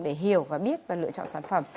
để hiểu và biết và lựa chọn sản phẩm